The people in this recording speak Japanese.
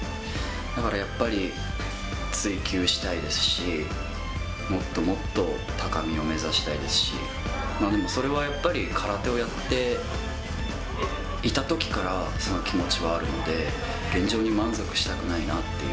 だからやっぱり追求したいですし、もっともっと高みを目指したいですし、それはやっぱり、空手をやっていたときからその気持ちはあるので、現状に満足したくないなっていう。